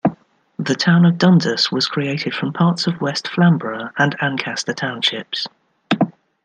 The town of Dundas was created from parts of West Flamborough and Ancaster Townships.